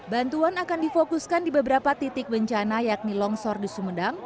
bantuan akan difokuskan di beberapa titik bencana yakni longsor di sumedang